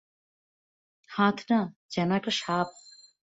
হাত না, যেন একটা সাপ।